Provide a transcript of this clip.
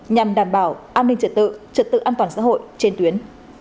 nhằm đảm bảo an ninh trật tự trật tự an toàn xã hội trên tuyến